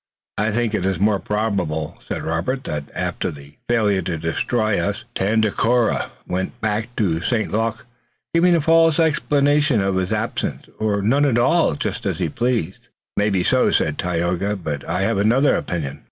"I think it more probable," said Robert, "that after the failure to destroy us Tandakora went back to St. Luc, giving a false explanation of his absence or none at all, just as he pleased." "It may be so," said Tayoga, "but I have another opinion."